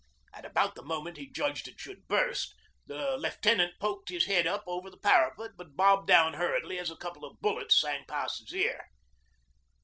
At about the moment he judged it should burst, the lieutenant poked his head up over the parapet, but bobbed down hurriedly as a couple of bullets sang past his ear.